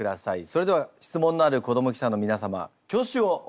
それでは質問のある子ども記者の皆様挙手をお願いします。